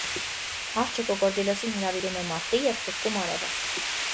Արջը կոկորդիլոսին հրավիրում է մարտի և փրկում արևը։